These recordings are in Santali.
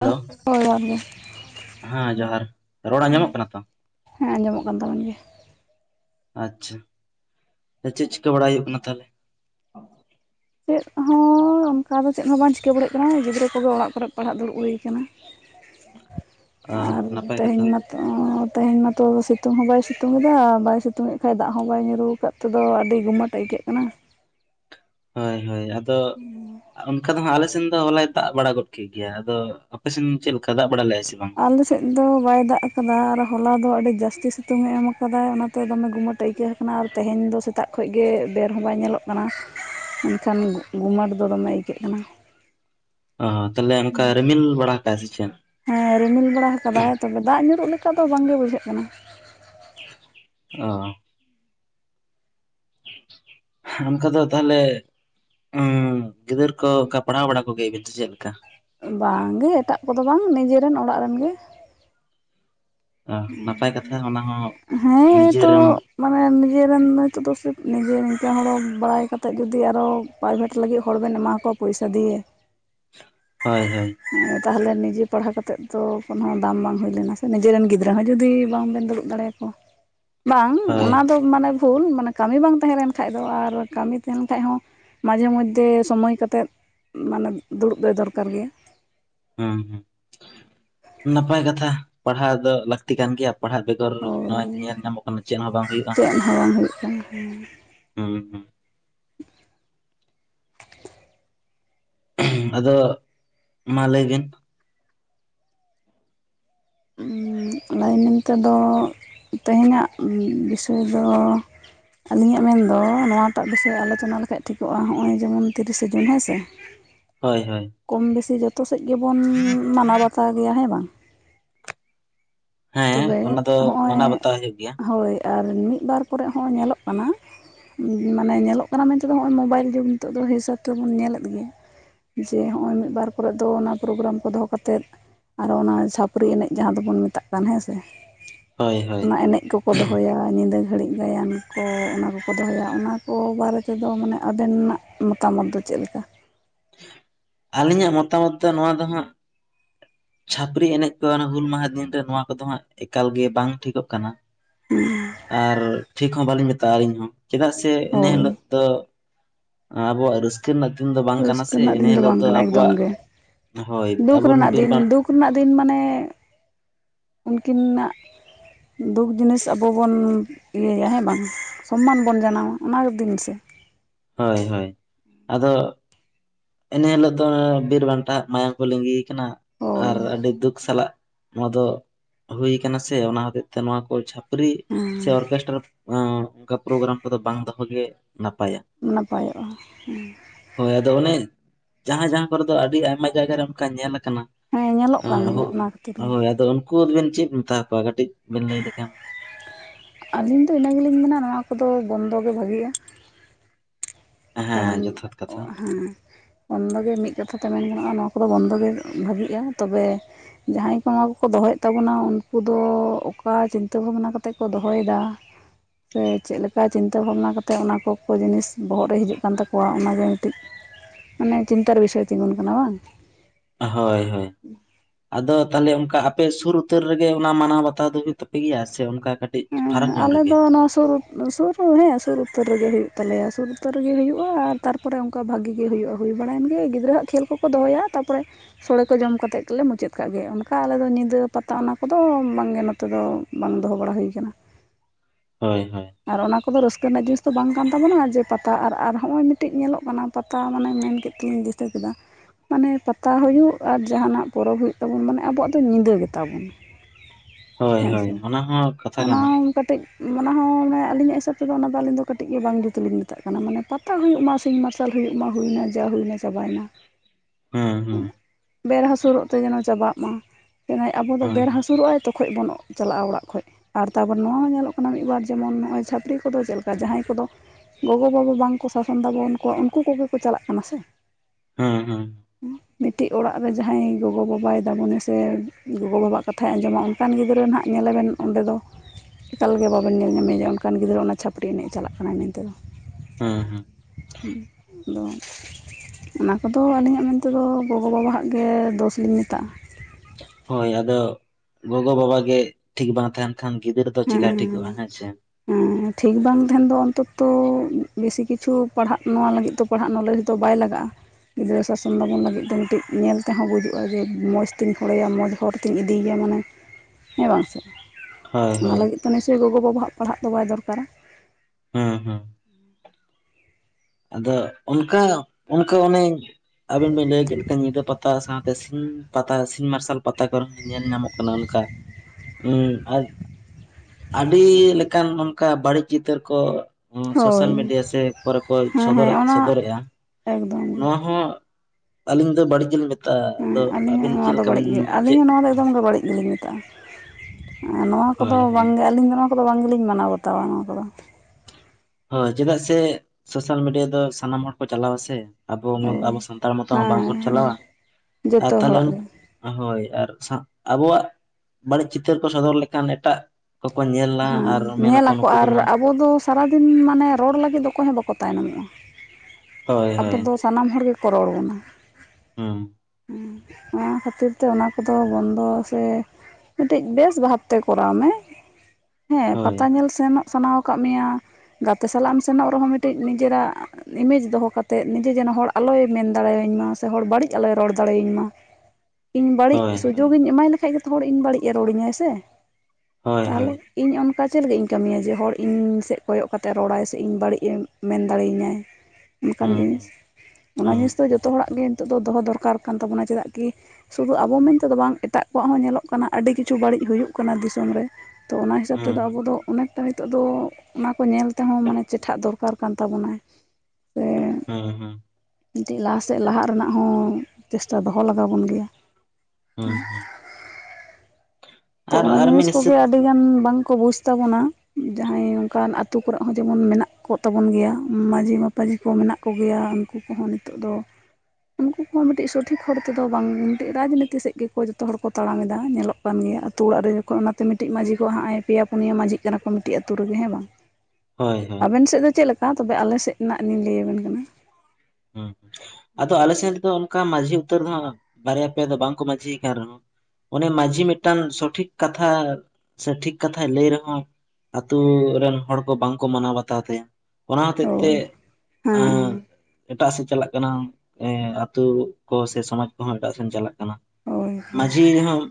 ᱦᱮᱞᱳ ᱜᱮ [inaudible] ᱦᱮᱸ ᱡᱚᱦᱟᱨ ᱨᱚᱲᱟ ᱧᱟᱢᱚᱜ ᱠᱟᱱᱟ ᱛᱚ ᱦᱮᱸ ᱟᱸᱡᱚᱢᱚᱜ ᱠᱟᱱ ᱛᱟᱵᱮᱱ ᱜᱮᱭᱟ ᱾ ᱟᱪᱪᱷᱟ ᱪᱮᱫ ᱪᱤᱠᱟ ᱵᱟᱲᱟᱭ ᱦᱩᱭᱩᱜ ᱠᱟᱱᱟ ᱛᱟᱦᱚᱞᱮ? ᱪᱮᱫ ᱦᱚᱸ ᱚᱱᱠᱟ ᱫᱚ ᱪᱮᱫ ᱦᱚᱸ ᱵᱟᱝ ᱪᱤᱠᱟᱹ ᱵᱟᱲᱟ ᱦᱩᱭᱩᱜ ᱠᱟᱱᱟ ᱜᱤᱫᱽᱨᱟᱹ ᱠᱚᱜᱮ ᱚᱲᱟᱜ ᱠᱚᱨᱮ ᱯᱟᱲᱦᱟᱜ ᱫᱩᱲᱩᱵ ᱦᱩᱭ ᱠᱟᱱᱟ ᱾ [inaudible] ᱚ ᱟᱨ ᱱᱟᱯᱟᱭ ᱠᱟᱛᱷᱟ ᱛᱮᱦᱮᱧ ᱢᱟᱛᱚ ᱛᱮᱦᱮᱧ ᱢᱟᱛᱚ ᱥᱤᱛᱩᱝ ᱦᱚᱸ ᱵᱟᱭ ᱥᱤᱛᱩᱝ ᱮᱫᱟ ᱵᱟᱭ ᱥᱤᱛᱩᱝᱫ ᱠᱷᱟᱡ ᱫᱟᱜ ᱦᱚᱸ ᱵᱟᱭ ᱧᱩᱨᱩ ᱟᱠᱟᱫ ᱛᱮᱫᱚ ᱟᱹᱰᱤ ᱜᱩᱢᱟᱹᱴ ᱟᱹᱭᱠᱟᱹᱜ ᱠᱟᱱᱟ ᱦᱳᱭ ᱦᱳᱭ ᱟᱫᱚ ᱚᱱᱠᱟ ᱫᱚ ᱦᱟᱸᱜ ᱟᱞᱮ ᱥᱮ ᱟ ᱥᱮ ᱫᱚ ᱦᱚᱞᱟᱭ ᱫᱟᱜ ᱵᱟᱲᱟ ᱜᱚᱫ ᱠᱮᱫ ᱜᱮᱭᱟ ᱟᱫᱚ ᱟᱯᱮ ᱥᱮᱱ ᱪᱮᱫ ᱞᱮᱠᱟ ᱫᱟᱜ ᱵᱟᱲᱟᱞᱟᱭ ᱟᱞᱮ ᱥᱮᱫ ᱫᱚ ᱵᱟᱭ ᱫᱟᱜ ᱟᱠᱟᱫᱟ ᱟᱨᱚ ᱦᱚᱞᱟ ᱫᱚ ᱟᱹᱰᱤ ᱡᱟᱹᱥᱛᱤ ᱥᱤᱛᱩᱝ ᱮ ᱮᱢ ᱟᱠᱟᱫᱟ ᱚᱱᱟᱛᱮ ᱫᱚᱢᱮ ᱜᱩᱢᱟᱹᱴᱮ ᱟᱹᱭᱠᱟᱹᱣ ᱟᱠᱟᱱᱟ ᱟᱨ ᱛᱮᱦᱮᱧ ᱫᱚ ᱥᱮᱛᱟᱜ ᱠᱷᱚᱱ ᱜᱮ ᱵᱮᱨ ᱦᱚᱸ ᱵᱟᱭ ᱧᱮᱞᱚᱜ ᱠᱟᱱᱟ ᱮᱱᱠᱷᱟᱱ ᱜᱩᱢᱟᱹᱴ ᱫᱚ ᱫᱚᱢᱮ ᱟᱹᱭᱠᱟᱹᱜ ᱚ ᱛᱟᱦᱚᱞᱮ ᱚᱱᱠᱟ ᱨᱤᱢᱤᱞ ᱵᱟᱲᱟ ᱠᱟᱜ ᱥᱮ ᱪᱮᱫ ᱦᱮᱸ ᱨᱤᱢᱤᱞ ᱵᱟᱲᱟ ᱠᱟᱫᱟᱭ ᱛᱚᱵᱮ ᱫᱟᱜ ᱧᱩᱨᱩᱜ ᱞᱮᱠᱟ ᱵᱟᱝᱜᱮ ᱵᱩᱡᱷᱟᱹᱜ ᱠᱟᱱᱟ ᱟ ᱦᱮᱸ ᱚᱱᱠᱟ ᱫᱚ ᱛᱟᱦᱚᱞᱮ ᱦᱸ ᱜᱤᱫᱟᱹᱨ ᱠᱚ ᱚᱠᱟ ᱯᱟᱲᱦᱟᱣ ᱵᱟᱲᱟ ᱠᱚᱜᱮᱭᱟ ᱥᱮ ᱪᱮᱫ ᱞᱮᱠᱟ ᱵᱟᱝᱜᱮ ᱮᱴᱟᱜ ᱠᱚᱫᱚ ᱵᱟᱝ ᱱᱤᱡᱮ ᱨᱮᱱ ᱚᱲᱟᱜ ᱨᱮᱱ ᱜᱮ ᱚ ᱱᱟᱯᱟᱭ ᱠᱟᱛᱷᱟ ᱚᱱᱟ ᱦᱚᱸ ᱦᱮᱸᱛᱚ ᱱᱤᱡᱮᱨᱮᱱ ᱢᱟᱱᱮ ᱱᱤᱡᱮᱱ ᱱᱤᱛᱚ ᱫᱚ ᱥᱮ ᱱᱤᱡᱮ ᱱᱤᱝᱠᱟᱹ ᱦᱚᱲ ᱵᱟᱲᱟᱭ ᱠᱟᱛᱮᱫ ᱡᱩᱫᱤ ᱟᱨᱚ ᱯᱨᱟᱭᱵᱷᱮᱴ ᱞᱟᱹᱜᱤᱫ ᱦᱚᱲ ᱵᱮᱱ ᱮᱢᱟᱠᱚᱣᱟ ᱯᱚᱭᱥᱟ ᱫᱤᱭᱮ ᱦᱳᱭ ᱦᱳᱭ ᱛᱟᱦᱚᱞᱮ ᱱᱤᱡᱮ ᱯᱟᱲᱦᱟᱣ ᱠᱟᱛᱮᱫ ᱛᱚ ᱠᱳᱱᱚ ᱫᱟᱢ ᱵᱟᱝ ᱦᱩᱭ ᱞᱮᱱᱟ ᱥᱮ ᱱᱤᱡᱮᱨᱮᱱ ᱜᱤᱫᱽᱨᱟᱹ ᱦᱚᱸ ᱡᱩᱫᱤ ᱵᱟᱝ ᱵᱮᱱ ᱫᱩᱲᱩᱵ ᱫᱟᱲᱮᱭᱟᱠᱚᱣᱟ ᱵᱟᱝ ᱦᱳᱭ ᱚᱱᱟ ᱫᱚ ᱢᱟᱱᱮ ᱯᱷᱩᱞ ᱢᱟᱱᱮ ᱠᱟᱹᱢᱤ ᱵᱟᱝ ᱛᱟᱦᱮᱸ ᱞᱮᱱᱠᱷᱟᱡ ᱫᱚ ᱟᱨ ᱠᱟᱹᱢᱤ ᱛᱟᱦᱮᱱ ᱠᱷᱟᱡ ᱦᱚᱸ ᱢᱟᱡᱷᱮ ᱢᱚᱫᱽᱫᱷᱮ ᱥᱚᱢᱚᱭ ᱠᱟᱛᱮᱫ ᱢᱟᱱᱮ ᱫᱩᱲᱩᱵ ᱫᱚᱭ ᱫᱚᱨᱠᱟᱨ ᱜᱮᱭᱟ ᱦᱩ ᱦᱩ ᱱᱟᱯᱟᱭ ᱠᱟᱛᱷᱟ ᱯᱟᱲᱦᱟᱣ ᱫᱚ ᱞᱟᱹᱠᱚᱛᱤ ᱠᱟᱱ ᱜᱮᱭᱟ ᱯᱟᱲᱦᱟᱜ ᱵᱮᱜᱚᱨ ᱦᱳᱭ ᱱᱚᱭ ᱧᱮᱞ ᱧᱟᱢᱚᱜ ᱠᱟᱱᱟ ᱪᱮᱫ ᱦᱚᱸ ᱵᱟᱝ ᱦᱩᱭᱩᱜᱼᱟ ᱪᱮᱫ ᱦᱚᱸ ᱵᱟᱝ ᱦᱩᱭᱩᱜ ᱠᱟᱱᱟ ᱦᱩᱸ ᱦᱩᱸ ᱩ ᱟᱫᱚ ᱢᱟ ᱞᱟᱹᱭ ᱵᱤᱱ ᱞᱟᱹᱭ ᱢᱮᱱ ᱛᱮᱫᱚ ᱛᱮᱦᱮᱧᱟᱜ ᱵᱤᱥᱚᱭ ᱫᱚ ᱟᱹᱞᱤᱧᱟᱜ ᱢᱮᱱᱫᱚ ᱱᱚᱣᱟᱴᱟᱜ ᱵᱤᱥᱚᱭ ᱟᱞᱳᱪᱚᱱᱟ ᱞᱮᱠᱷᱟᱡ ᱴᱷᱤᱠᱚᱜᱼᱟ ᱱᱚᱜᱼᱚᱭ ᱡᱮᱢᱚᱱ ᱛᱤᱨᱤᱥᱮ ᱡᱩᱱ ᱦᱮᱸ ᱥᱮ ᱦᱳᱭ ᱦᱳᱭ ᱠᱚᱢ ᱵᱮᱥᱤ ᱡᱚᱛᱚ ᱥᱮᱪ ᱜᱮᱵᱚᱱ ᱢᱟᱱᱟᱣ ᱵᱟᱛᱟᱣ ᱜᱮᱭᱟ ᱦᱮᱸ ᱵᱟᱝ ᱦᱮᱸ ᱛᱚᱵᱮ ᱚᱱᱟ ᱫᱚ ᱦᱚᱸᱜᱼᱚᱭ ᱢᱟᱱᱟᱣ ᱵᱟᱛᱟᱣ ᱦᱩᱭᱩᱜ ᱜᱮᱭᱟ ᱦᱳᱭ ᱟᱨ ᱢᱤᱫᱵᱟᱨ ᱯᱚᱨᱮ ᱦᱚᱸᱜᱼ ᱧᱮᱞᱚᱜ ᱠᱟᱱᱟ ᱢᱟᱱᱮ ᱧᱮᱞᱚᱜ ᱠᱟᱱᱟ ᱢᱮᱱ ᱛᱮᱫᱚ ᱱᱚᱜᱼᱚᱭ ᱢᱳᱵᱟᱭᱤᱞ ᱡᱩᱜᱽ ᱱᱤᱛᱚᱜ ᱫᱚ ᱦᱤᱥᱟᱹᱵ ᱛᱮᱵᱚᱱ ᱧᱮᱞᱮᱫ ᱜᱮᱭᱟ ᱡᱮ ᱱᱚᱜᱼᱚᱭ ᱢᱤᱫᱵᱟᱨ ᱠᱚᱨᱮ ᱫᱚ ᱚᱱᱟ ᱯᱨᱳᱜᱨᱟᱢ ᱠᱚ ᱫᱚᱦᱚ ᱠᱟᱛᱮᱫ ᱟᱨᱚ ᱚᱱᱟ ᱪᱷᱟᱹᱯᱚᱨᱤ ᱮᱱᱮᱡᱽ ᱡᱟᱦᱟᱸ ᱫᱚᱵᱚᱱ ᱢᱮᱛᱟᱜ ᱦᱮᱸ ᱥᱮ ᱦᱳᱭ ᱦᱳᱭ ᱚᱱᱟ ᱮᱱᱮᱡᱽ ᱠᱚᱠᱚ ᱫᱚᱦᱚᱭᱟ ᱧᱤᱫᱟᱹ ᱜᱷᱟᱹᱲᱤᱡ ᱜᱟᱭᱟᱱ ᱠᱚ ᱚᱱᱟ ᱠᱚᱠᱚ ᱫᱚᱦᱚᱭᱟ ᱚᱱᱟ ᱠᱚ ᱵᱟᱨᱮ ᱛᱮᱫᱚ ᱢᱟᱱᱮ ᱟᱵᱮᱱᱟᱜ ᱢᱚᱛᱟᱢᱚᱛ ᱫᱚ ᱪᱮᱫ ᱪᱮᱫ ᱞᱮᱠᱟ ᱟᱹᱞᱤᱧᱟᱜ ᱢᱚᱛᱟᱢᱚᱛ ᱫᱚ ᱱᱚᱣᱟ ᱫᱚ ᱦᱟᱸᱜ ᱪᱷᱟᱹᱯᱚᱨᱤ ᱮᱱᱮᱡ ᱠᱚ ᱦᱩᱞ ᱢᱟᱦᱟ ᱫᱤᱱᱨᱮ ᱱᱚᱣᱟ ᱠᱚᱫᱚ ᱦᱟᱸᱜ ᱮᱠᱟᱞ ᱜᱮ ᱵᱟᱝ ᱴᱷᱤᱠᱚᱜ ᱠᱟᱱᱟ ᱟᱨ ᱴᱷᱤᱠ ᱦᱚᱸ ᱵᱟᱹᱞᱤᱧ ᱢᱮᱛᱟᱜᱼᱟ ᱟᱹᱞᱤᱧ ᱦᱚᱸ ᱪᱮᱫᱟᱜ ᱥᱮ ᱤᱱᱟᱹ ᱦᱳᱭ ᱦᱤᱞᱟᱹᱜ ᱫᱚ ᱟᱵᱚᱣᱟᱜ ᱨᱟᱹᱥᱠᱟᱹ ᱨᱮᱱᱟᱜ ᱫᱤᱱ ᱫᱚ ᱵᱟᱝ ᱠᱟᱱᱟ ᱨᱟᱹᱥᱠᱟᱹ ᱥᱮ ᱨᱮᱱᱟᱜ ᱮᱱᱟᱹ ᱫᱤᱱ ᱦᱤᱞᱟᱹᱜ ᱵᱟᱝ ᱫᱚ ᱠᱟᱱᱟ ᱮᱠᱫᱚᱢ ᱟᱵᱚᱣᱟᱜ ᱜᱮ ᱦᱳᱭ ᱟᱵᱚᱨᱮᱱ ᱵᱤᱨᱵᱟᱱ ᱩᱱᱟᱹᱜ ᱫᱤᱱ ᱢᱟᱱᱮ ᱩᱱᱠᱤᱱᱱᱟᱜ ᱫᱩᱠ ᱡᱤᱱᱤᱥ ᱟᱵᱚ ᱵᱚᱱ ᱤᱭᱟᱹᱭᱟ ᱦᱮᱸ ᱵᱟᱝ ᱥᱚᱱᱢᱟᱱ ᱵᱚᱱ ᱡᱟᱱᱟᱣᱟ ᱚᱱᱟ ᱫᱤᱱ ᱥᱮ ᱦᱳᱭ ᱦᱳᱭ ᱟᱫᱚ ᱮᱱᱟᱹ ᱦᱤᱞᱟᱹᱜ ᱫᱚ ᱵᱤᱨᱵᱟᱱᱴᱟ ᱢᱟᱭᱟᱝ ᱠᱩ ᱞᱤᱸᱜᱤᱭ ᱟᱠᱟᱱᱟ ᱟᱨ ᱦᱳᱭ ᱟᱹᱰᱤ ᱫᱩᱠ ᱥᱟᱞᱟᱜ ᱱᱚᱣᱟ ᱫᱚ ᱦᱩᱭ ᱟᱠᱟᱱᱟ ᱥᱮ ᱚᱱᱟ ᱦᱚᱛᱮᱡ ᱛᱮ ᱱᱚᱣᱟ ᱠᱚ ᱪᱷᱟᱹᱯᱨᱤ ᱥᱮ ᱚᱨᱠᱮᱥᱴᱟᱨ ᱚᱝᱠᱟ ᱯᱨᱳᱜᱨᱟᱢ ᱫᱚ ᱵᱟᱝ ᱫᱚᱦᱚ ᱜᱮ ᱱᱟᱯᱟᱭᱟ ᱱᱟᱯᱟᱭᱚᱜᱼᱟ ᱦᱮᱸ ᱦᱳᱭ ᱟᱫᱚ ᱚᱱᱮ ᱡᱟᱦᱟᱸ ᱡᱟᱸᱦᱟ ᱠᱚᱨᱮ ᱫᱚ ᱟᱹᱰᱤ ᱟᱭᱢᱟ ᱡᱟᱭᱜᱟᱨᱮ ᱚᱱᱠᱟ ᱧᱮᱞ ᱟᱠᱟᱱᱟ ᱦᱮᱸ ᱧᱮᱞᱚᱜ ᱠᱟᱱ ᱜᱮᱭᱟ ᱚᱱᱟ ᱠᱷᱟᱹᱛᱤᱨ ᱜᱮ ᱦᱳᱭ ᱟᱫᱚ ᱩᱱᱠᱩᱵᱤᱱ ᱪᱮᱫ ᱢᱮᱛᱟ ᱠᱚᱣᱟ ᱠᱟᱹᱴᱤᱡ ᱵᱮᱱ ᱞᱟᱹᱭ ᱞᱮᱠᱷᱟᱱ ᱟᱹᱞᱤᱧ ᱫᱚ ᱤᱱᱟᱹ ᱜᱮᱞᱤᱧ ᱢᱮᱱᱟ ᱱᱚᱣᱟ ᱠᱚᱫᱚ ᱵᱚᱱᱫᱚ ᱜᱮ ᱵᱷᱟᱹᱜᱤᱜᱼᱟ ᱦᱮᱸ ᱠᱟᱨᱚᱱ ᱡᱚᱛᱷᱟᱛ ᱠᱟᱛᱷᱟ ᱦᱮᱸ ᱵᱚᱱᱫᱚ ᱜᱮ ᱢᱤᱫ ᱠᱟᱛᱷᱟ ᱛᱮ ᱢᱮᱱ ᱜᱟᱱᱚᱜᱼᱟ ᱱᱚᱣᱟ [inaudible] ᱠᱚᱫᱚ ᱵᱚᱱᱫᱚ ᱜᱮ ᱵᱷᱟᱹᱜᱤᱜᱼᱟ ᱛᱚᱵᱮ ᱡᱟᱦᱟᱸᱭ ᱠᱚ ᱱᱚᱣᱟ ᱠᱚᱠᱚ ᱫᱚᱦᱚᱭᱮᱫ ᱛᱟᱵᱚᱱᱟ ᱩᱱᱠᱩ ᱫᱚ ᱚᱠᱟ ᱪᱤᱱᱛᱟᱹ ᱵᱷᱟᱵᱽᱱᱟ ᱠᱟᱛᱮᱜ ᱠᱚ ᱫᱚᱦᱚᱭᱮᱫᱟ ᱥᱮ ᱪᱮᱫᱞᱮᱠᱟ ᱪᱤᱱᱛᱟᱹ ᱵᱷᱟᱵᱱᱟ ᱠᱟᱛᱮᱫ ᱚᱱᱟ ᱠᱚᱠᱚ ᱡᱤᱱᱤᱥ ᱵᱚᱦᱚᱜ ᱨᱮ ᱦᱤᱡᱩᱜ ᱠᱟᱱ ᱛᱟᱠᱚᱣᱟ ᱚᱱᱟᱜᱮ ᱢᱤᱫᱴᱤᱡ ᱢᱟᱱᱮ ᱪᱤᱱᱛᱟᱨ ᱵᱤᱥᱚᱭ ᱛᱤᱸᱜᱩᱱ ᱠᱟᱱᱟ ᱵᱟᱝ ᱦᱳᱭ ᱦᱳᱭ ᱟᱫᱚ ᱛᱟᱦᱚᱞᱮ ᱚᱱᱠᱟ ᱚᱱᱠᱟ ᱟᱯᱮ ᱥᱩᱨ ᱩᱛᱟᱹᱨ ᱨᱮᱜᱮ ᱚᱱᱟ ᱢᱟᱱᱟᱣ ᱵᱟᱛᱟᱣ ᱫᱚ ᱦᱩᱭᱩᱜ ᱛᱟᱯᱮᱭᱟ ᱥᱮ ᱚᱱᱠᱟ ᱠᱟᱹᱴᱤᱡ ᱦᱮᱸ ᱯᱷᱟᱨᱟᱠ ᱧᱚᱜ ᱟᱞᱮ ᱨᱮᱜᱮ ᱫᱚ ᱱᱚᱣᱟ ᱦᱮᱸ [inaudible] ᱩᱛᱛᱚᱨ ᱨᱮᱜᱮ ᱦᱩᱭᱩᱜ ᱛᱟᱞᱮᱭᱟ ᱥᱩᱨ ᱩᱛᱚᱨ ᱨᱮᱜᱮ ᱦᱩᱭᱩᱜᱼᱟ ᱟᱨ ᱛᱟᱨᱯᱚᱨᱮ ᱚᱱᱠᱟ ᱵᱷᱟᱜᱤ ᱜᱮ ᱦᱩᱭᱩᱜ ᱦᱩᱭ ᱵᱟᱲᱟᱭᱮᱱ ᱜᱮ ᱜᱤᱫᱽᱨᱟ ᱟᱜ ᱠᱷᱮᱞ ᱠᱚ ᱠᱚ ᱫᱚᱦᱚᱭᱟ ᱛᱟᱯᱚᱨᱮ ᱥᱳᱲᱮ ᱠᱚ ᱡᱚᱢ ᱠᱟᱛᱮ ᱜᱮᱞᱮ ᱢᱩᱪᱟᱹᱫ ᱠᱟᱜ ᱜᱮ ᱚᱱᱠᱟ ᱟᱞᱮᱫᱚ ᱧᱤᱫᱟᱹ ᱯᱟᱛᱟ ᱚᱱᱟ ᱠᱚᱫᱚ ᱵᱟᱝᱜᱮ ᱱᱚᱛᱮ ᱫᱚ ᱵᱟᱝ ᱫᱚᱦᱚ ᱵᱟᱲᱟ ᱦᱩᱭ ᱟᱠᱟᱱᱟ ᱦᱳᱭ ᱦᱳᱭ ᱟᱨ ᱚᱱᱟ ᱠᱚᱫᱚ ᱨᱟᱹᱥᱠᱟᱹ ᱨᱮᱱᱟᱜ ᱡᱤᱱᱤᱥ ᱫᱚ ᱵᱟᱝ ᱠᱟᱱ ᱛᱟᱵᱚᱱᱟ ᱡᱮ ᱯᱟᱛᱟ ᱯᱟᱛᱟ ᱟᱨ ᱦᱚᱸᱜᱼᱚᱭ ᱢᱤᱫᱴᱮᱡ ᱧᱮᱞᱚᱜ ᱠᱟᱱᱟ ᱯᱟᱛᱟ ᱢᱟᱱᱮ ᱢᱮᱱ ᱠᱮᱫ ᱛᱮᱧ ᱫᱤᱥᱟᱹ ᱠᱮᱫᱟ ᱢᱟᱱᱮ ᱯᱟᱛᱟ ᱦᱩᱭᱩᱜ ᱟᱨ ᱡᱟᱸᱦᱟᱱᱟᱜ ᱯᱚᱨᱚᱵᱽ ᱦᱩᱭᱩᱜ ᱛᱟᱵᱳᱚᱱ ᱢᱟᱱᱮ ᱟᱵᱚᱣᱟᱜ ᱫᱚ ᱧᱤᱫᱟᱹ ᱜᱮᱛᱟᱵᱚᱱ ᱦᱳᱭ ᱦᱮᱸ ᱦᱳᱭ ᱥᱮ ᱚᱱᱟ ᱦᱚᱸ ᱠᱟᱛᱷᱟ ᱚᱱᱟ ᱠᱟᱱᱟ ᱠᱟᱹᱴᱤᱡ ᱚᱱᱟ ᱦᱚᱸ ᱢᱟᱱᱮ ᱟᱹᱞᱤᱧᱟᱜ ᱦᱤᱥᱟᱹᱵ ᱛᱮᱫᱚ ᱚᱱᱟᱫᱚ ᱟᱹᱞᱤᱧ ᱫᱚ ᱠᱟᱹᱴᱤᱡ ᱜᱮ ᱵᱟᱝ ᱡᱩᱛ ᱞᱤᱧ ᱢᱮᱛᱟᱜ ᱠᱟᱱᱟ ᱢᱟᱱᱮ ᱯᱟᱛᱟ ᱦᱩᱭᱩᱜ ᱢᱟ ᱥᱤᱧ ᱢᱟᱨᱥᱟᱞ ᱦᱩᱭᱩᱜ ᱢᱟ ᱦᱩᱭᱱᱟ ᱡᱟ ᱦᱩᱭᱱᱟ ᱪᱟᱵᱟᱭᱱᱟ ᱦᱮᱸ ᱦᱮᱸ ᱵᱮᱨ ᱦᱟᱹᱥᱩᱨᱚᱜ ᱛᱮ ᱡᱮᱢᱚᱱ ᱪᱟᱵᱟᱜ ᱢᱟ ᱪᱮᱱᱭ ᱟᱵᱚ ᱫᱚ ᱦᱮᱸ ᱵᱮᱨ ᱦᱟᱹᱥᱩᱨᱚᱜᱼᱟᱭ ᱛᱚᱠᱷᱚᱡ ᱵᱚᱱ ᱪᱟᱞᱟᱜᱼᱟ ᱚᱲᱟᱜ ᱠᱷᱚᱡ ᱟᱨ ᱛᱟᱨᱯᱚᱨ ᱱᱚᱣᱟ ᱦᱚᱸ ᱧᱮᱞᱚᱜ ᱠᱟᱱᱟ ᱢᱤᱫᱵᱟᱨ ᱡᱮᱢᱚᱱ ᱱᱚᱜᱼᱚᱭ ᱪᱷᱟᱹᱯᱲᱤ ᱠᱚᱫᱚ ᱪᱮᱫ ᱞᱮᱠᱟ ᱡᱟᱦᱟᱸᱭ ᱠᱚᱫᱚ ᱜᱚᱜᱚᱵᱟᱵᱟ ᱵᱟᱝᱠᱚ ᱥᱟᱥᱚᱱ ᱫᱟᱵᱚᱱ ᱩᱱᱠᱩ ᱩᱱᱠᱩ ᱠᱚᱜᱮ ᱠᱚ ᱪᱟᱞᱟᱜ ᱠᱟᱱᱟ ᱥᱮ ᱦᱮᱸ ᱦᱮᱸ ᱢᱤᱫᱴᱤᱡ ᱚᱲᱟᱜ ᱨᱮ ᱡᱟᱦᱟᱸᱭ ᱜᱚᱜᱚ ᱵᱟᱵᱟᱭ ᱫᱟᱵᱚᱱᱮ ᱥᱮ ᱜᱚᱜᱚᱵᱟᱵᱟ ᱟᱜ ᱠᱟᱛᱷᱟᱭ ᱟᱸᱡᱚᱢᱟ ᱚᱱᱠᱟᱱ ᱜᱤᱫᱽᱨᱟᱹ ᱱᱟᱦᱟᱜᱜ ᱧᱟᱢᱟ ᱧᱮᱞᱞᱟᱵᱮᱱ ᱚᱸᱰᱮ ᱫᱚ ᱮᱠᱟᱞᱜᱮ ᱵᱟᱵᱮᱱ ᱧᱮᱞ ᱧᱟᱢᱮᱭᱟ ᱡᱮ ᱚᱱᱠᱟᱱ ᱜᱤᱫᱽᱨᱟᱹ ᱚᱱᱟ ᱪᱷᱟᱹᱯᱲᱤ ᱮᱱᱮᱡ ᱮ ᱪᱟᱞᱟᱜ ᱠᱟᱱᱟᱭ ᱢᱮᱱᱛᱮ ᱫᱚ ᱦᱮᱸ ᱦᱮᱸ ᱫᱚ ᱚᱱᱟ ᱠᱚᱫᱚ ᱟᱹᱞᱤᱧᱟᱜ ᱢᱮᱱᱛᱮᱫᱚ ᱜᱚᱜᱚᱼᱵᱟᱵᱟᱣᱟᱜ ᱜᱮ ᱫᱳᱥ ᱞᱤᱧ ᱢᱮᱛᱟᱜᱼᱟ ᱦᱳᱭ ᱟᱫᱚ ᱜᱚᱜᱚᱵᱟᱵᱟ ᱜᱮ ᱴᱷᱤᱠ ᱵᱟᱝ ᱛᱟᱦᱮᱱ ᱢᱮᱱᱠᱷᱟᱱ ᱜᱤᱫᱽᱨᱟᱹ ᱫᱚ ᱪᱤᱠᱠᱟ ᱴᱷᱤᱠᱚᱜᱼᱟ ᱦᱮᱸ ᱥᱮᱮ ᱦᱮᱸ ᱴᱷᱤᱠ ᱵᱟᱝ ᱛᱟᱦᱮᱱ ᱫᱚ ᱚᱱᱛᱚᱛᱛᱚ ᱵᱮᱥᱤ ᱠᱤᱪᱷᱩ ᱯᱟᱲᱦᱟᱜ ᱱᱚᱣᱟ ᱞᱟᱹᱜᱤᱫ ᱫᱚ ᱯᱟᱲᱦᱟᱜ ᱱᱚᱞᱮᱡᱽ ᱫᱚ ᱵᱟᱭ ᱞᱟᱜᱟᱜᱼᱟ ᱜᱤᱫᱽᱨᱟᱹ ᱥᱟᱥᱚᱱ ᱞᱟᱵᱚᱱ ᱞᱟᱹᱜᱤᱫ ᱫᱚ ᱢᱤᱫᱴᱤᱡ ᱧᱮᱞ ᱛᱮᱦᱚᱸ ᱵᱩᱡᱩᱜᱼᱟ ᱡᱮ ᱢᱚᱸᱡᱽ ᱛᱤᱧ ᱠᱷᱚᱲᱮᱭᱟ ᱢᱚᱡᱽ ᱦᱚᱨ ᱛᱮᱭ ᱤᱫᱤᱭᱟ ᱛᱤᱧ ᱤᱫᱤᱭᱮᱭᱟ ᱢᱟᱱᱮ ᱦᱮᱸ ᱵᱟᱝ ᱥᱮ ᱦᱳᱭ ᱚᱱᱟ ᱦᱳᱭ ᱞᱟᱹᱜᱤᱫ ᱛᱮ ᱱᱤᱥᱚᱭ ᱜᱚᱜᱚᱵᱟᱵᱟᱣᱟᱜ ᱯᱟᱲᱦᱟᱜ ᱫᱚ ᱵᱟᱭ ᱫᱚᱨᱠᱟᱨᱟ ᱦᱮᱸ ᱦᱮᱸ ᱟᱫᱚ ᱚᱱᱠᱟ ᱚᱱᱠᱟ ᱚᱱᱮ ᱟᱵᱤᱱ ᱵᱤᱱ ᱞᱟᱹᱭᱟ ᱪᱮᱫ ᱞᱮᱠᱟ ᱧᱤᱫᱟᱹ ᱯᱟᱛᱟ ᱥᱟᱶᱛᱮ ᱥᱤᱧ ᱯᱟᱛᱟ ᱥᱤᱧ ᱢᱟᱨᱥᱟᱞ ᱯᱟᱛᱟ ᱠᱚᱨᱮ ᱦᱚᱸ ᱧᱮᱞ ᱧᱟᱢᱚᱜ ᱠᱟᱱᱟ ᱚᱱᱠᱟ ᱦᱩᱸ ᱟᱨ ᱟᱹᱰᱤ ᱞᱮᱠᱟᱱ ᱚᱱᱠᱟ ᱵᱟᱹᱲᱤᱡ ᱪᱤᱛᱟᱹᱨ ᱠᱚ ᱥᱳᱥᱟᱞ ᱦᱳᱭ ᱢᱤᱰᱤᱭᱟ ᱥᱮ ᱠᱚᱨᱮ ᱠᱚ ᱦᱮᱸ ᱥᱚᱫᱚᱨ ᱦᱮᱸ ᱚᱱᱟ ᱥᱚᱫᱚᱨᱮᱜᱼᱟ ᱮᱠᱫᱚᱢ ᱜᱮ ᱱᱚᱣᱟ ᱦᱚᱸ ᱟᱹᱞᱤᱧ ᱫᱚ ᱵᱟᱹᱲᱤᱡ ᱜᱮᱞᱤᱧ ᱢᱮᱛᱟᱜ-ᱟ ᱟᱫᱚ ᱦᱮᱸ ᱟᱹᱞᱤᱧᱟᱜ ᱟᱹᱵᱤᱱ ᱱᱚᱣᱟ ᱪᱮᱫ ᱫᱚ ᱞᱮᱠᱟ ᱵᱟᱹᱲᱤᱡ ᱵᱤᱱ ᱜᱮ ᱟᱹᱞᱤᱧ ᱪᱮᱫ ᱦᱚᱸ ᱱᱚᱣᱟ ᱫᱚ ᱮᱠᱫᱚᱢ ᱜᱮ ᱵᱟᱹᱲᱤᱡ ᱜᱮᱞᱤᱧ ᱢᱮᱛᱟᱜᱼᱟ ᱱᱚᱣᱟ ᱠᱚᱫᱚ ᱦᱳᱭ ᱦᱳᱭ ᱵᱟᱝᱜᱮ ᱟᱹᱞᱤᱧ ᱫᱚ ᱱᱚᱣᱟ ᱠᱚᱫᱚ ᱵᱟᱝ ᱜᱮᱞᱤᱧ ᱢᱟᱱᱟᱣ ᱵᱟᱛᱟᱣᱟ ᱱᱚᱣᱟ ᱠᱚᱫᱚ ᱦᱳᱭ ᱪᱮᱫᱟᱜ ᱥᱮ ᱥᱳᱥᱟᱞ ᱢᱤᱰᱤᱭᱟ ᱫᱚ ᱥᱟᱱᱟᱢ ᱦᱚᱲ ᱠᱚ ᱪᱟᱞᱟᱣᱟ ᱥᱮ ᱟᱵᱚ ᱦᱳᱭ ᱟᱵᱚ ᱥᱟᱱᱛᱟᱲ ᱥᱟᱱᱛᱟᱲ ᱢᱚᱛᱚ ᱦᱚᱸ ᱦᱮᱸ ᱵᱟᱝ ᱵᱚᱱ ᱪᱟᱞᱟᱣᱟ ᱦᱮᱸ ᱟᱨ ᱡᱚᱛᱚ ᱛᱟᱦᱚᱞᱮ ᱦᱚᱲᱟᱜ ᱜᱮ ᱦᱳᱭ ᱟᱨ ᱟᱵᱚᱣᱟᱜ ᱵᱟᱹᱲᱤᱡ ᱪᱤᱛᱟᱹᱨ ᱠᱚ ᱥᱚᱫᱚᱨ ᱞᱮᱠᱷᱟᱱ ᱮᱴᱟᱜ ᱠᱚᱠᱚ ᱧᱮᱞᱟ ᱦᱮᱸ ᱟᱨ ᱧᱮᱞ ᱢᱮᱱᱟᱠᱚ ᱟᱠᱚ ᱱᱩᱠᱩ ᱫᱚ ᱟᱨ ᱱᱚᱣᱟ ᱟᱵᱚ ᱫᱚ ᱥᱟᱨᱟᱫᱤᱱ ᱢᱟ ᱢᱟᱱᱮ ᱨᱚᱲ ᱞᱟᱹᱜᱤᱫ ᱚᱠᱚᱭ ᱦᱚᱸ ᱵᱟᱠᱚ ᱛᱟᱭᱱᱚᱢᱚᱜᱼᱟ ᱦᱳᱭ ᱟᱵᱚ ᱫᱚ ᱥᱟᱱᱟᱢ ᱦᱚᱲᱜᱮ ᱠᱚ ᱨᱚᱲ ᱵᱚᱱᱟ᱾ ᱦᱚᱸ ᱚᱱᱟ ᱠᱷᱟᱹᱛᱤᱨ ᱛᱮ ᱚᱱᱟ ᱠᱚᱫᱚ ᱵᱚᱱᱫᱚ ᱥᱮ ᱢᱤᱫᱴᱤᱡ ᱵᱮᱥ ᱵᱷᱟᱵᱛᱮ ᱠᱚᱨᱟᱣ ᱢᱮ ᱦᱮᱸ᱾ ᱦᱳᱭ ᱯᱟᱛᱟ ᱧᱮᱞ ᱥᱮᱱᱚᱜ ᱥᱟᱱᱟᱣ ᱟᱠᱟᱫ ᱢᱮᱭᱟ᱾ ᱜᱟᱛᱮ ᱥᱟᱞᱟᱜ ᱮᱢ ᱥᱮᱱᱚᱜ ᱨᱮᱦᱚᱸ ᱢᱤᱫᱴᱤᱡ ᱱᱤᱡᱮᱨᱟᱜ ᱤᱢᱮᱡᱽ ᱫᱚᱦᱚ ᱠᱟᱛᱮᱫ ᱱᱤᱡᱮ ᱡᱮᱱᱚ ᱦᱚᱲ ᱟᱞᱚᱭ ᱢᱮᱱ ᱫᱟᱲᱮᱭ ᱡᱟ ᱥᱮ ᱦᱚᱲ ᱵᱟᱹᱲᱤᱡ ᱟᱞᱚᱭ ᱨᱚᱲ ᱫᱟᱲᱮᱭᱟᱹᱧ ᱢᱟ᱾ [inaudible] ᱤᱧ ᱵᱟᱹᱲᱤᱡ ᱦᱳᱭ ᱥᱩᱡᱳᱜ ᱤᱧ ᱮᱢᱟᱭ ᱞᱮᱠᱷᱟᱡ ᱜᱮᱛᱚ ᱦᱚᱲ ᱤᱧ ᱵᱟᱹᱲᱤᱡ ᱮ ᱨᱚᱲᱟᱹᱧᱟᱭ ᱥᱮ? ᱦᱚᱭ ᱛᱟᱦᱚᱞᱮ ᱦᱚᱭ ᱤᱧ ᱚᱱᱠᱟ ᱪᱮᱫ ᱞᱟᱸᱜᱤᱫ ᱤᱧ ᱠᱟᱹᱢᱤᱭᱟ ᱡᱮ ᱦᱚᱲ ᱤᱧ ᱥᱮᱫ ᱠᱚᱭᱚᱜ ᱠᱟᱛᱮᱫ ᱨᱚᱲᱟᱭ ᱥᱮ ᱤᱧ ᱵᱟᱹᱲᱤᱡ ᱮ ᱢᱮᱱ ᱫᱟᱲᱮᱭᱟᱹᱧᱟᱭ᱾ ᱚᱱᱠᱟᱱ ᱦᱩᱸ ᱡᱤᱱᱤᱥ ᱦᱩᱸ ᱚᱱᱟ ᱦᱩᱸ ᱡᱤᱱᱤᱥ ᱫᱚ ᱡᱚᱛᱚ ᱦᱚᱲᱟᱜ ᱜᱮ ᱱᱤᱛᱚᱜ ᱫᱚᱦᱚ ᱫᱚᱨᱠᱟᱨ ᱠᱟᱱ ᱛᱟᱵᱚᱱᱟ ᱪᱮᱫᱟᱜ ᱠᱤ ᱥᱩᱫᱩ ᱟᱵᱚ ᱢᱮᱱᱛᱮ ᱫᱚ ᱵᱟᱝ ᱮᱴᱟᱜ ᱠᱚᱣᱟᱜ ᱦᱚᱸ ᱧᱮᱞᱚᱜ ᱠᱟᱱᱟ ᱟᱹᱰᱤ ᱠᱤᱪᱷᱩ ᱵᱟᱹᱲᱤᱡ ᱦᱩᱭᱩᱜ ᱠᱟᱱᱟ᱾ ᱫᱤᱥᱚᱢ ᱨᱮ ᱛᱚ ᱚᱱᱟ ᱦᱤᱥᱟᱹᱵ ᱦᱩᱸ ᱛᱮᱫᱚ ᱟᱵᱚ ᱚᱱᱮᱠ ᱛᱟ ᱦᱤᱛᱚᱜ ᱫᱚ ᱚᱱᱟ ᱠᱚ ᱧᱮᱞ ᱛᱮᱦᱚᱸ ᱢᱟᱱᱮ ᱪᱮᱴᱷᱟᱜ ᱫᱚᱨᱠᱟᱨ ᱠᱟᱱ ᱛᱟᱵᱚᱱᱟᱭ ᱦᱮᱸ ᱦᱮᱸ ᱫᱮᱞᱟ ᱥᱮᱫ ᱞᱟᱦᱟᱜ ᱨᱮᱱᱟᱜ ᱦᱚᱸ ᱪᱮᱥᱴᱟ ᱫᱚᱦᱚ ᱞᱟᱜᱟᱣ ᱵᱚᱱ ᱜᱮᱭᱟ᱾ ᱦᱩᱸ ᱦᱩᱸ [unintelligible] ᱛᱚ ᱟᱨ ᱚᱱᱟ ᱟᱨ ᱢᱤᱫ ᱡᱤᱱᱤᱥ ᱠᱚᱜᱮ ᱦᱤᱥᱟᱹᱵ ᱟᱹᱰᱤᱜᱟᱱ ᱵᱟᱝ ᱠᱚ ᱵᱩᱡᱽ ᱛᱟᱵᱚᱱᱟ᱾ ᱡᱟᱦᱟᱸᱭ ᱱᱚᱝᱠᱟᱱ ᱟᱹᱛᱳ ᱠᱚᱨᱮ ᱦᱚᱸ ᱡᱮᱢᱚᱱ ᱢᱮᱱᱟᱜ ᱠᱚᱜ ᱛᱟᱵᱚᱱ ᱜᱮᱭᱟ᱾ ᱢᱟᱺᱡᱷᱤ ᱢᱟᱯᱟᱧ ᱢᱟᱹᱡᱷᱤ ᱠᱚ ᱢᱮᱱᱟᱜ ᱠᱚᱜᱮᱭᱟ᱾ ᱩᱱᱠᱩ ᱠᱚᱦᱚᱸ ᱱᱤᱛᱚᱜ ᱫᱚ ᱩᱱᱠᱩ ᱠᱚᱦᱚᱸ ᱢᱤᱫᱴᱤᱡ ᱥᱚᱴᱷᱤᱠ ᱦᱚᱲ ᱛᱮᱫᱚ ᱵᱟᱝ ᱢᱤᱫᱴᱤᱡ ᱨᱟᱡᱽᱱᱤᱛᱤ ᱥᱮᱫ ᱜᱮᱠᱚ ᱡᱚᱛᱚ ᱦᱚᱲ ᱠᱚ ᱛᱟᱲᱟᱢ ᱮᱫᱟ ᱧᱮᱞᱚᱜ ᱠᱟᱱ ᱜᱮᱭᱟ᱾ ᱟᱹᱛᱩ ᱚᱲᱟᱜ ᱨᱮ ᱠᱚ ᱚᱱᱟᱛᱮ ᱢᱤᱫᱴᱤᱡ ᱢᱟᱺᱡᱷᱤ ᱠᱚ ᱦᱟᱜᱼ ᱯᱮᱭᱟ ᱯᱩᱱᱭᱟᱹ ᱢᱟᱹᱡᱷᱤ ᱠᱟᱱᱟ ᱠᱚ ᱢᱤᱫᱴᱤᱡ ᱟᱹᱛᱩ ᱨᱮᱜᱮ ᱦᱮᱸ ᱵᱟᱝ᱾ ᱦᱳᱭ ᱦᱳᱭ ᱟᱵᱮᱱ ᱥᱮᱫ ᱫᱚ ᱪᱮᱫ ᱞᱮᱠᱟ ᱛᱚᱵᱮ ᱟᱞᱮ ᱥᱮᱫ ᱨᱮᱱᱟᱜ ᱞᱤᱧ ᱞᱟᱹᱭ ᱟᱵᱮᱱ ᱠᱟᱱᱟ᱾ ᱦᱮᱸ ᱟᱫᱚ ᱟᱞᱮ ᱥᱮᱱ ᱨᱮᱫᱚ ᱚᱱᱠᱟ ᱢᱟᱺᱡᱷᱤ ᱩᱛᱟᱹᱨ ᱦᱚᱸ ᱵᱟᱨᱭᱟ ᱯᱮᱭᱟ ᱫᱚ ᱵᱟᱝᱠᱚ ᱢᱟᱺᱡᱷᱤ ᱟᱠᱟᱱ ᱨᱮᱦᱚᱸ ᱚᱱᱮ ᱢᱟᱹᱡᱷᱤ ᱢᱤᱫᱴᱟᱱ ᱥᱚᱴᱷᱤᱠ ᱠᱟᱛᱷᱟ ᱥᱮ ᱴᱷᱤᱠ ᱠᱟᱛᱷᱟᱭ ᱞᱟᱹᱭ ᱨᱮᱦᱚᱸ ᱟᱛᱳ ᱨᱮᱱ ᱦᱚᱲ ᱠᱚ ᱵᱟᱝᱠᱚ ᱢᱟᱱᱟᱣ ᱵᱟᱛᱟᱣ ᱛᱟᱭᱟ᱾ ᱚᱱᱟ ᱦᱚᱛᱮᱜ ᱛᱮ ᱦᱳᱭ ᱟ ᱦᱮᱸ ᱪᱟᱞᱟᱜ ᱠᱟᱱᱟ ᱟᱛᱳ ᱠᱚ ᱥᱮ ᱥᱚᱢᱟᱡᱽ ᱠᱚᱦᱚᱸ ᱮᱴᱟᱜ ᱥᱮᱱ ᱪᱟᱞᱟᱜ ᱠᱟᱱᱟ᱾ ᱦᱳᱭ ᱢᱟᱹᱡᱷᱤ ᱦᱚᱸ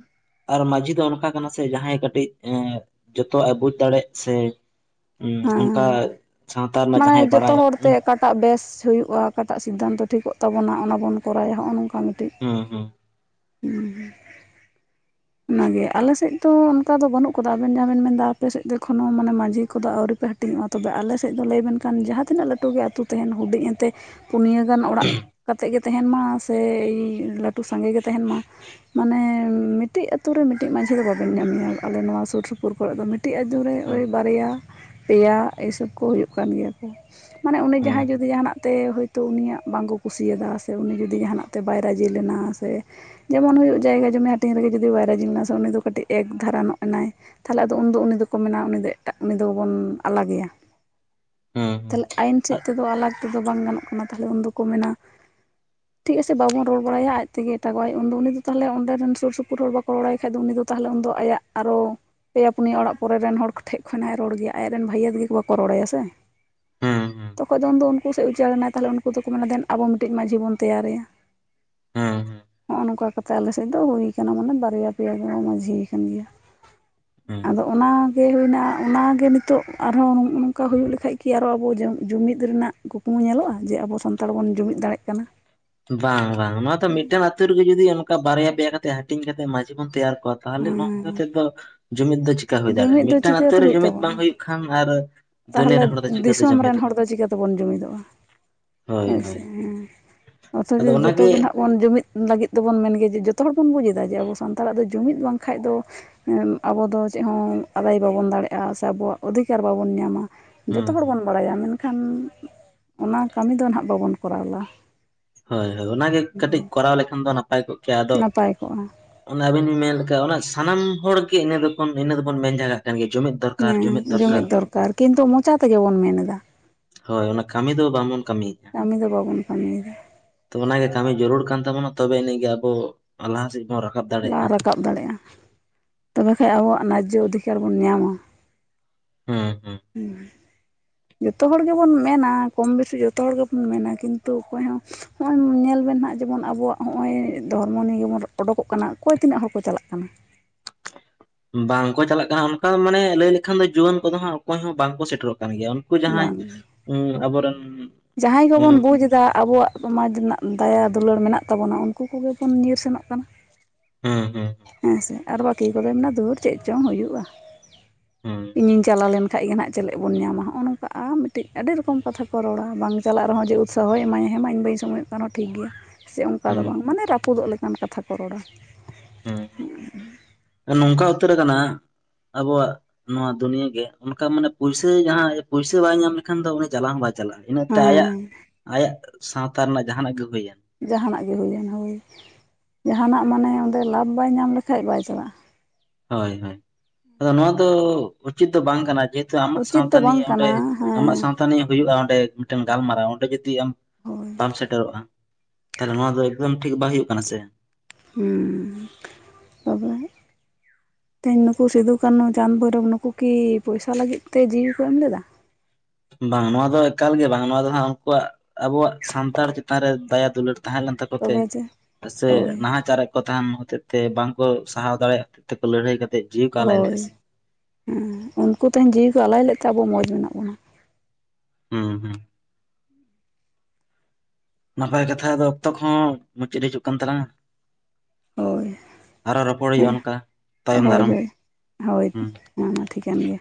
ᱟᱨ ᱢᱟᱺᱡᱷᱤ ᱫᱚ ᱚᱱᱠᱟ ᱠᱟᱱᱟ ᱥᱮ ᱡᱟᱦᱟᱸᱭ ᱠᱟᱹᱴᱤᱡ ᱮ ᱡᱚᱛᱚᱣᱟᱜ ᱮ ᱵᱩᱡ ᱫᱟᱲᱮᱜ ᱥᱮ ᱦᱮᱸ ᱚᱱᱠᱟ ᱥᱟᱶᱛᱟ ᱨᱮᱱᱟᱜ ᱦᱮᱸᱢᱟᱱᱮ ᱡᱟᱦᱟᱸᱭ ᱡᱚᱛᱚ ᱵᱟᱲᱟᱭ ᱦᱚᱲᱛᱮ ᱦᱩᱸ ᱚᱠᱟᱴᱟᱜ ᱵᱮᱥ ᱦᱩᱭᱩᱜᱼᱟ᱾ ᱚᱠᱟᱴᱟᱜ ᱥᱤᱫᱫᱷᱟᱱᱛᱚ ᱴᱷᱤᱠᱚᱜ ᱛᱟᱵᱚᱱᱟ ᱚᱱᱟ ᱵᱚᱱ ᱠᱚᱨᱟᱭᱟ ᱦᱚᱜᱼᱟ᱾ ᱱᱚᱝᱠᱟ ᱦᱮᱸ ᱦᱮᱸ ᱦᱩᱸᱸ [unintelligible] ᱚᱱᱟᱜᱮ ᱟᱞᱮ ᱥᱮᱫ ᱫᱚ ᱚᱱᱠᱟ ᱫᱚ ᱵᱟᱹᱱᱩᱜ ᱠᱚᱫᱟ ᱟᱵᱮᱱ ᱡᱟᱦᱟ ᱵᱮᱱ ᱢᱮᱱ ᱮᱫᱟ᱾ ᱟᱯᱮ ᱥᱮᱫ ᱫᱚ ᱮᱠᱷᱚᱱᱚ ᱢᱟᱱᱮ ᱢᱟᱡᱷᱤ ᱠᱚᱫᱚ ᱟᱹᱣᱨᱤ ᱯᱮ ᱦᱟᱴ ᱦᱟᱹᱴᱤᱧᱝᱚᱜᱼᱟ᱾ ᱛᱚᱵᱮ ᱟᱞᱮ ᱥᱮᱫ ᱫᱚ ᱞᱟᱹᱭ ᱵᱮᱱᱠᱟᱱ ᱡᱟᱦᱟᱸ ᱛᱤᱱᱟᱹᱜ ᱞᱟᱹᱴᱩ ᱜᱮ ᱟᱹᱛᱳ ᱛᱟᱦᱮᱱ ᱦᱩᱰᱤᱧ ᱮᱱᱛᱮᱜ ᱯᱩᱱᱭᱟᱹ ᱜᱟᱱ ᱚᱲᱟᱜ ᱠᱟᱛᱮᱫ ᱜᱮ ᱛᱟᱦᱮᱱ ᱢᱟ ᱥᱮ ᱞᱟᱹᱴᱩ ᱥᱟᱸᱜᱮ ᱜᱮ ᱛᱟᱦᱮᱱ ᱢᱟ ᱢᱟᱱᱮ ᱢᱤᱫᱴᱤᱡ ᱟᱛᱳ ᱨᱮ ᱢᱤᱫᱴᱤᱡ ᱢᱟᱺᱡᱷᱤ ᱫᱚ ᱵᱟᱵᱮᱱ ᱧᱟᱢᱮᱭᱟ ᱟᱞᱮ ᱱᱚᱣᱟ ᱥᱳᱨ ᱥᱩᱯᱩᱨ ᱠᱚᱨᱮ ᱫᱚ ᱠᱟᱹᱴᱤᱡ ᱟᱹᱛᱳ ᱨᱮ ᱳᱭ ᱵᱟᱨᱭᱟ ᱯᱮᱭᱟ ᱮᱥᱚᱵ ᱠᱚ ᱦᱩᱭᱩᱜ ᱠᱟᱱ ᱜᱮᱭᱟ ᱠᱚ ᱢᱟᱱᱮ ᱚᱱᱮ ᱦᱩᱸ ᱡᱟᱦᱟᱸᱭ ᱡᱩᱫᱤ ᱡᱟᱦᱟᱱᱟᱜ ᱛᱮ ᱦᱳᱭᱛᱳ ᱩᱱᱤᱭᱟᱜ ᱵᱟᱝᱠᱚ ᱠᱩᱥᱤᱭᱟᱫᱟ ᱥᱮ ᱩᱱᱤ ᱡᱩᱫᱤ ᱡᱟᱦᱟᱱᱟᱜ ᱛᱮ ᱵᱟᱭ ᱨᱟᱹᱡᱤ ᱞᱮᱱᱟ ᱥᱮ ᱡᱮᱢᱚᱱ ᱦᱩᱭᱩᱜ ᱡᱟᱭᱜᱟ ᱡᱚᱢᱤ ᱦᱟᱹᱴᱤᱧ ᱨᱮᱜᱮ ᱡᱩᱫᱤ ᱵᱟᱭ ᱨᱟᱡᱤ ᱞᱮᱱᱟ ᱥᱮ ᱩᱱᱤ ᱫᱚ ᱠᱟᱹᱴᱤᱡ ᱮᱠ ᱫᱷᱟᱨᱟᱱᱚᱜ ᱮᱱᱟᱭ ᱛᱟᱦᱞᱮ ᱟᱫᱚ ᱫᱚ ᱩᱱᱤ ᱫᱚᱠᱚ ᱢᱮᱱᱟ ᱩᱱᱤ ᱫᱚ ᱮᱴᱟᱜ ᱩᱱᱤ ᱫᱚᱵᱚᱱ ᱟᱞᱟᱜᱮᱭᱟ᱾ [inaudible] ᱛᱟᱦᱞᱮ ᱟᱭᱤᱱ ᱥᱮᱫ ᱛᱮᱫᱚ ᱟᱞᱟᱜ ᱛᱮᱫᱚ ᱵᱟᱝ ᱜᱟᱱᱚᱜ ᱠᱟᱱᱟ ᱛᱟᱦᱚᱞᱮ ᱩᱱ ᱫᱚᱠᱚ ᱢᱮᱱᱟ᱾ ᱴᱷᱤᱠ ᱟᱪᱷᱮ ᱵᱟᱵᱚᱱ ᱨᱚᱲ ᱵᱟᱲᱟᱭᱟ ᱟᱡ ᱛᱮᱜᱮ᱾ ᱛᱟᱜᱟᱣᱟᱭ ᱩᱱ ᱫᱚ ᱩᱱᱤ ᱫᱚ ᱛᱟᱦᱚᱞᱮ ᱚᱸᱰᱮ ᱨᱮᱱ ᱥᱩᱨ ᱥᱩᱯᱩᱨ ᱦᱚᱲ ᱵᱟᱠᱚ ᱨᱚᱲᱟᱭ ᱠᱷᱟᱡ ᱫᱚ ᱩᱱᱤ ᱫᱚ ᱛᱟᱦᱚᱞᱮ ᱩᱱ ᱫᱚ ᱟᱭᱟᱜ ᱟᱨᱚ᱾ ᱯᱮᱭᱟ ᱯᱩᱱᱭᱟᱹ ᱚᱲᱟᱜ ᱯᱚᱨᱮ ᱨᱮᱱ ᱦᱚᱲ ᱴᱷᱮᱡ ᱠᱷᱚᱱᱟᱜ-ᱮ ᱨᱚᱲ ᱜᱮᱭᱟ ᱟᱡ ᱨᱮᱱ ᱵᱷᱟᱹᱭᱟᱹ ' [unintelligible] 'ᱵᱟᱠᱚ ᱨᱚᱲᱟᱭᱭᱟ ᱥᱮ᱾ ᱦᱩᱸ ᱦᱩᱸ ᱛᱚᱠᱷᱚᱡ ᱫᱚ ᱩᱱ ᱫᱚ ᱩᱱᱠᱩ ᱥᱮᱫ ᱩᱪᱟ. ᱲᱮᱱᱟ ᱛᱟᱦᱚᱞᱮ ᱩᱱᱠᱩ ᱫᱚᱠᱚ ᱢᱮᱱᱟ ᱫᱮᱱ ᱟᱵᱚ ᱢᱤᱫᱴᱤᱜ ᱢᱟ. ᱡᱷᱤ ᱵᱚᱱ ᱛᱮᱭᱟᱨᱮᱭᱟ᱾ ᱦᱩᱸ' [unintelligible] ᱱᱚᱜᱼᱚ ᱱᱚᱝᱠᱟ ᱠᱟᱛᱮᱫ ᱟᱞᱮ ᱥᱮᱫ ᱫᱚ ᱦᱩᱭ ᱠᱟᱱᱟ ᱢᱟᱱᱮ ᱵᱟᱨᱭᱟ ᱯᱮᱭᱟ ᱠᱚᱚᱸ ᱢᱟᱹᱡᱷᱤᱭ ᱠᱟᱱ ᱜᱮᱭᱟ᱾ ᱦᱮᱸ ᱟᱫᱚ ᱚᱱᱟ᱾ ᱜᱮ ᱦᱩᱭᱱᱟ ᱚᱱᱟᱜᱮ ᱱᱤᱛᱚᱜ ᱟᱨᱦᱚᱸ ᱱᱚᱜ ᱱᱚᱝᱠᱟ ᱦᱩᱭᱩᱜ ᱞᱮᱠᱷᱟᱡ ᱜᱮ ᱟᱨᱚ ᱟᱵᱚ ᱡᱚ-ᱡᱩᱢᱤᱫ ᱨᱮᱱᱟᱜ ᱠᱩᱠᱢᱩ᱾ ᱧᱮᱞᱚᱜᱼᱟ ᱡᱮ ᱟᱵᱚ ᱥᱟᱱᱛᱟᱲ ᱵᱚᱱ ᱡᱩᱢᱤᱫ ᱫᱟᱲᱮᱜ ᱠᱟᱱᱟ᱾ ᱵᱟᱝ ᱵᱟᱝ ᱱᱚᱣᱟ ᱫᱚ ᱢᱤᱫᱴᱮᱱ ᱟᱹᱛᱳ ᱨᱮᱜᱮ ᱡᱩᱫᱤ ᱚᱱᱠᱟ ᱵᱟᱨᱭᱟ ᱯᱮᱭᱟ ᱠᱟᱛᱮᱮᱫ ᱦᱟᱹᱴᱤᱧ ᱠᱟᱛᱮ ᱢᱟ. ᱡᱷᱤ ᱵᱚᱱ ᱛᱮᱭᱟᱨ᱾ ᱛᱟᱦᱚᱞᱮ ᱱᱚᱝᱠᱟ ᱦᱮᱸ, ᱛᱮᱫᱚ ᱡᱩᱢᱤᱫ ᱫᱚ ᱪᱤᱠᱟ ᱦᱩᱭ ᱫᱟᱲᱮᱭᱟᱜᱼᱟ ᱡᱩᱢᱤᱫ ᱫᱚ ᱢᱤᱫᱴᱟᱝ ᱟᱛᱳ ᱪᱤᱠᱟᱹᱛᱮ ᱨᱮ ᱦᱩᱭᱩᱜ ᱡᱩᱢᱤᱫ ᱵᱟᱝ ᱛᱟᱵᱚᱱᱟ ᱦᱩᱭᱩᱜ ᱠᱷᱟᱱ ᱟᱨ ᱫᱩᱱᱤᱭᱟᱹ ᱛᱟᱦᱚᱞᱮ ᱨᱮᱱ ᱦᱚᱲ ᱫᱚ ᱪᱤᱠᱟᱹᱛᱮ ᱫᱤᱥᱚᱢ ᱨᱮᱱ ᱡᱩᱢᱤᱫᱚᱜᱼᱟ ᱦᱚᱲ ᱫᱚ ᱪᱤᱠᱟᱹ ᱛᱮᱵᱚᱱ ᱡᱩᱢᱤᱫᱚᱜᱼᱟ ᱦᱳᱭ ᱦᱳᱭᱥᱮ ᱦᱳᱭ ᱦᱮᱸ ᱟᱫᱚ ᱚᱛᱷᱚᱪᱚ ᱚᱱᱟᱜᱮ ᱡᱚᱛᱚᱜ ᱜᱮ ᱦᱟᱸᱜ ᱵᱚᱱ ᱡᱩᱢᱤᱫ ᱞᱟᱹᱜᱤᱫ ᱫᱚᱵᱚᱱ ᱢᱮᱱ ᱜᱮᱭᱟ ᱡᱮ ᱡᱚᱛᱚ ᱦᱚᱲ ᱵᱚᱱ ᱵᱩᱡ ᱮᱟ ᱡᱮ ᱟᱵᱚ ᱥᱟᱱᱛᱟᱲᱟᱜ ᱫᱚ ᱡᱩᱢᱤᱫ ᱵᱟᱝᱠᱷᱟᱡ ᱫᱚ ᱟᱵᱚ ᱫᱚ ᱪᱮᱫ ᱦᱚᱸ ᱟᱫᱟᱭ ᱵᱟᱵᱚᱱ ᱫᱟᱲᱮᱜᱼᱟ ᱥᱮ ᱟᱵᱚᱣᱟᱜ ᱚᱫᱷᱤᱠᱟᱨ ᱵᱟᱵᱚᱱ ᱧᱟᱢᱟ ᱦᱮᱸ ᱡᱚᱛᱚ ᱦᱚᱲ ᱦᱮᱸ ᱵᱚᱱ ᱵᱟᱲᱟᱭᱟ ᱢᱮᱱᱠᱷᱟᱱ ᱠᱷᱟᱱ ᱚᱱᱟ ᱠᱟᱹᱢᱤ ᱫᱚ ᱱᱟᱦᱟᱜ ᱵᱟᱵᱚᱱ ᱠᱚᱨᱟᱣᱞᱟ ᱦᱳᱭ ᱦᱳᱭ ᱚᱱᱟᱜᱮ ᱠᱟᱹᱴᱤᱡ ᱠᱚᱨᱟᱣ ᱞᱮᱠᱷᱟᱱ ᱫᱚ ᱱᱟᱯᱟᱭ ᱠᱚᱜᱼᱟ ᱟᱫᱚ ᱱᱟᱯᱟᱭ ᱠᱚᱜᱼᱟ ᱚᱱᱟ ᱟᱹᱵᱤᱱ ᱵᱤᱱ ᱢᱮᱱ ᱞᱮᱠᱷᱟᱱ ᱚᱱᱟ ᱥᱟᱱᱟᱢ ᱦᱚᱲ ᱜᱮ ᱤᱱᱟᱹ ᱫᱚᱵᱚᱱ ᱤᱱᱟᱹ ᱫᱚᱵᱚᱱ ᱢᱮᱱᱡᱟᱜᱟᱜ ᱦᱮᱸ ᱡᱩᱢᱤᱫ ᱫᱚᱨᱠᱟᱨ ᱠᱤᱱᱛᱩ ᱢᱚᱪᱟ ᱛᱮᱜᱮ ᱵᱚᱱ ᱢᱮᱱ ᱮᱫᱟ ᱦᱳᱭ ᱚᱱᱟ ᱠᱟᱹᱢᱤ ᱫᱚ ᱵᱟᱝᱵᱚᱱ ᱠᱟᱹᱢᱤᱭᱮᱼᱟ ᱠᱟᱹᱢᱤ ᱫᱚ ᱵᱟᱵᱚᱱ ᱠᱟᱹᱢᱤᱭᱮᱫᱟ ᱛᱚ ᱚᱱᱟᱜᱮ ᱠᱟᱹᱢᱤ ᱡᱟᱹᱨᱩᱲ ᱠᱟᱱ ᱛᱟᱵᱚᱱᱟ ᱛᱚᱵᱮ ᱤᱱᱟᱹᱜᱮ ᱟᱵᱚ ᱞᱟᱦᱟ ᱥᱮᱫ ᱵᱚᱱ ᱨᱟᱠᱟᱵ ᱞᱟ ᱫᱟᱲᱮᱭᱟᱜᱼᱟ ᱨᱟᱠᱟᱵ ᱫᱟᱲᱮᱭᱟᱜᱼᱟ ᱛᱚᱵᱮ ᱠᱷᱟᱱᱡ ᱟᱵᱚᱣᱟᱜ ᱚᱫᱷᱤᱠᱟᱨ ᱵᱚᱱ ᱧᱟᱢᱟ ᱦᱩᱸ ᱦᱮᱸ [unintelligible] ᱡᱚᱛᱚ ᱦᱚᱲ ᱜᱮᱵᱚᱱ ᱢᱮᱱᱟ ᱠᱚᱢ ᱵᱮᱥᱤ ᱡᱚᱛᱚ ᱦᱚᱲ ᱜᱮᱵᱚᱱ ᱢᱮᱱᱟ ᱠᱤᱱᱛᱩ ᱚᱠᱚᱭ ᱦᱚᱸ ᱱᱚᱜᱼᱚᱭ ᱧᱮᱞ ᱢᱮ ᱟ ᱱᱟᱦᱟᱜ ᱡᱮᱢᱚᱱ ᱟᱵᱚᱣᱟᱜ ᱱᱚᱜᱼᱚᱭ ᱫᱷᱚᱨᱢᱚ ᱱᱤᱭᱮᱵᱚᱱ ᱚᱰᱳᱠᱚᱜ ᱠᱟᱱᱟ ᱚᱠᱚᱭ ᱛᱤᱱᱟᱹᱜ ᱦᱚᱲ ᱠᱚ ᱪᱟᱞᱟᱜ ᱠᱟᱱᱟ ᱵᱟᱝᱠᱚ ᱪᱟᱞᱟᱜ ᱠᱟᱱᱟ ᱚᱱᱠᱟ ᱢᱟᱱᱮ ᱞᱟᱹᱭ ᱞᱮᱠᱷᱟᱱ ᱫᱚ ᱡᱩᱣᱟᱹᱱ ᱠᱚᱫᱚ ᱦᱟᱸᱜ ᱚᱠᱚᱭ ᱦᱚᱸ ᱵᱟᱝᱠᱚ ᱥᱮᱴᱮᱨᱚᱜ ᱠᱟᱱ ᱜᱮᱭᱟ ᱩᱱᱠᱩ ᱡᱟᱦᱟᱸᱭ ᱵᱟᱝ ᱟᱵᱚᱨᱮᱱ ᱡᱟᱦᱟᱸᱭ ᱜᱮᱵᱚᱱ ᱩᱸ ᱵᱩᱡ ᱮᱫᱟ ᱟᱵᱚᱣᱟᱜ ᱥᱚᱢᱟᱡᱽ ᱨᱮᱱᱟᱜ ᱫᱟᱭᱟ ᱫᱩᱞᱟᱹᱲ ᱢᱮᱱᱟᱜ ᱛᱟᱵᱚᱱᱟ ᱩᱱᱠᱩ ᱠᱚᱜᱮ ᱵᱚᱱ ᱧᱤᱨ ᱥᱮᱱᱚᱜ ᱠᱟᱱᱟ ᱦᱩᱸ ᱦᱩᱸ ᱦᱮᱸ ᱥᱮ ᱟᱨ ᱵᱟᱹᱠᱤ ᱠᱚᱫᱚ ᱢᱮᱱᱟ ᱫᱷᱩᱨ ᱪᱮᱫ ᱪᱚᱝ ᱦᱩᱭᱩᱜᱼᱟ ᱦᱩᱸ ᱤᱧᱤᱧ ᱪᱟᱞᱟᱣ ᱞᱮᱱᱠᱷᱟᱱ ᱠᱷᱟᱡ ᱜᱮ ᱱᱟᱦᱟᱜ ᱪᱮᱞᱮᱫ ᱵᱚᱱ ᱧᱟᱢᱟ ᱱᱚᱝᱠᱟ ᱟᱨ ᱢᱤᱫᱴᱤᱡ ᱟᱹᱰᱤ ᱨᱚᱠᱚᱢ ᱠᱟᱛᱷᱟ ᱠᱚ ᱨᱚᱲᱟ ᱵᱟᱝ ᱪᱟᱞᱟᱜ ᱨᱮᱦᱚᱸ ᱡᱮ ᱩᱥᱟᱦᱚᱭ ᱮᱢᱟᱭᱟ ᱦᱮᱸ ᱢᱟ ᱤᱧ ᱵᱟᱹᱧ ᱥᱚᱢᱚᱭᱚᱜ ᱠᱟᱱᱟ ᱴᱷᱤᱠ ᱜᱮᱭᱟ ᱥᱮ ᱚᱱᱠᱟ ᱫᱚ ᱦᱩᱸ ᱵᱟᱝ ᱢᱟᱱᱮ ᱨᱟᱹᱯᱩᱫᱚᱜ ᱞᱮᱠᱟᱱ ᱠᱟᱛᱷᱟ ᱠᱚ ᱨᱚᱲᱟ ᱦᱮᱸ ᱱᱚᱝᱠᱟ ᱩᱛᱟᱹᱨ ᱟᱠᱟᱱᱟ ᱟᱵᱚᱣᱟᱜ ᱱᱚᱣᱟ ᱫᱩᱱᱭᱟᱹᱜ ᱜᱮ ᱚᱱᱠᱟ ᱢᱟᱱᱮ ᱯᱩᱭᱥᱟᱹ ᱡᱟᱦᱟᱸ ᱯᱩᱭᱥᱟᱹ ᱵᱟᱭ ᱧᱟᱢ ᱞᱮᱠᱷᱟᱱ ᱫᱚ ᱩᱱᱤ ᱪᱟᱞᱟᱣ ᱦᱚᱸ ᱵᱟᱭ ᱪᱟᱞᱟᱜ ᱤᱱᱟᱹᱛᱮ ᱟᱭᱟᱜ ᱦᱮᱸ ᱟᱭᱟᱜ ᱥᱟᱶᱛᱟ ᱨᱮᱱᱟᱜ ᱡᱟᱦᱟᱱᱟᱜ ᱜᱮ ᱦᱩᱭ ᱮᱱ ᱾ ᱡᱟᱦᱟᱱᱟᱜ ᱦᱩᱭ ᱦᱟᱭ ᱡᱟᱦᱟᱱᱟᱜ ᱢᱟᱱᱮ ᱚᱸᱰᱮ ᱞᱟᱵᱷ ᱵᱟᱭ ᱧᱟᱢ ᱞᱮᱠᱷᱟᱱ ᱵᱟᱭ ᱪᱟᱞᱟᱜᱼᱟ ᱦᱳᱭ ᱦᱳᱭ ᱟᱫᱚ ᱱᱚᱣᱟ ᱫᱚ ᱩᱪᱤᱛ ᱫᱚ ᱵᱟᱝ ᱠᱟᱱᱟ ᱡᱮᱦᱮᱛᱩ ᱟᱢᱟᱜ ᱩᱪᱤᱛ ᱥᱟᱶᱛᱟ ᱫᱚ ᱵᱟᱝ ᱱᱤᱭᱮ ᱚᱸᱰᱮ ᱠᱟᱱᱟ ᱦᱮᱸ ᱟᱢᱟᱜ ᱥᱟᱶᱛᱟ ᱱᱤᱭᱟ ᱦᱩᱭᱩᱜᱼᱟ ᱚᱸᱰᱮ ᱢᱤᱫᱴᱮᱱ ᱜᱟᱞᱢᱟᱨᱟᱣ ᱚᱸᱰᱮ ᱡᱩᱫᱤ ᱟᱢ ᱦᱳᱭ ᱵᱟᱢ ᱥᱮᱴᱮᱨᱚᱜᱼᱟ ᱛᱟᱞᱦᱮ ᱱᱚᱣᱟ ᱫᱚ ᱮᱠᱫᱚᱢ ᱴᱷᱤᱠ ᱵᱟᱝ ᱦᱩᱭᱩᱜ ᱠᱟᱱᱟ ᱥᱮ ᱦᱮᱸ ᱵᱟᱵᱟᱡ [inaudible] ᱛᱮᱦᱤᱧ ᱱᱩᱠᱩ ᱥᱤᱫᱩᱠᱱᱩ ᱪᱟᱸᱫᱽ ᱵᱷᱳᱭᱨᱳᱵ ᱱᱩᱠᱩ ᱠᱤ ᱯᱚᱭᱥᱟ ᱞᱟᱹᱜᱤᱫ ᱛᱮ ᱡᱤᱣᱤ ᱠᱚ ᱮᱢ ᱞᱮᱫᱟ? ᱵᱟᱝ ᱱᱚᱣᱟ ᱫᱚ ᱮᱠᱟᱞᱜᱮ ᱵᱟᱝ ᱱᱚᱣᱟ ᱫᱚ ᱦᱜ ᱩᱱᱠᱩᱣᱟᱜ ᱟᱵᱚᱣᱟᱜ ᱥᱟᱱᱛᱟᱲ ᱪᱮᱛᱟᱱ ᱨᱮ ᱫᱟᱭᱟ ᱫᱩᱞᱟᱹᱲ ᱛᱟᱦᱮᱸ ᱞᱮᱱ ᱛᱟᱠᱚ ᱛᱮ ᱛᱚᱵᱮ ᱡᱮ ᱥᱮ ᱦᱳᱭ ᱱᱟᱦᱟᱪᱟᱨ ᱨᱮ ᱠᱚ ᱛᱟᱦᱮᱱ ᱦᱚᱛᱮᱫ ᱛᱮ ᱵᱟᱝ ᱠᱚ ᱥᱟᱦᱟᱣ ᱫᱟᱲᱮᱭᱟᱜᱮᱫ ᱛᱮ ᱞᱟᱹᱲᱦᱟᱹᱭ ᱠᱟᱛᱮ ᱦᱳᱭ ᱦᱮᱸ ᱩᱱᱠᱩ ᱛᱮᱦᱮᱧ ᱡᱤᱣᱤ ᱠᱚ ᱟᱞᱟᱭ ᱞᱮᱫ ᱛᱮ ᱟᱵᱚ ᱢᱚᱡᱽ ᱢᱮᱱᱟᱜ ᱵᱚᱱᱟ ᱦᱩᱸ ᱦᱩᱸ ᱱᱟᱯᱟᱭ ᱠᱟᱛᱷᱟ ᱫᱚ ᱚᱠᱛᱚ ᱠᱚᱦᱚᱸ ᱢᱩᱪᱟᱹᱫ ᱦᱤᱡᱩᱜ ᱠᱟᱱ ᱛᱟᱞᱟᱝᱼᱟ᱾ ᱦᱳᱭ ᱟᱨᱚ ᱨᱚᱯᱚᱲ ᱦᱮᱸ ᱦᱩᱭᱩᱜᱼᱟ᱾ ᱚᱱᱠᱟ ᱛᱟᱭᱚᱢ ᱦᱳᱭ ᱫᱟᱨᱟᱢ ᱦᱳᱭ ᱦᱳᱭ ᱦᱩᱸ ᱢᱟ ᱢᱟ ᱴᱷᱤᱠᱟᱹᱱ ᱜᱮᱭᱟ